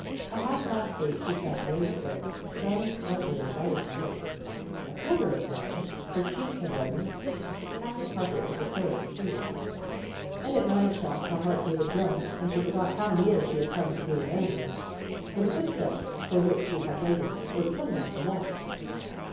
At half past eight she sat very still, frowning slightly and biting her lip. At quarter of nine her cheeks had reddened and she tapped the carpet with the toe of her shoe. And at nine o 'clock her heart gave a jump and she forgot how near she had come to being angry. For the footsteps for which she had waited were coming up the walk.